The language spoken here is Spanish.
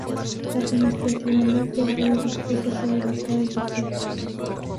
Administrativamente, el río discurre por el estado de Texas.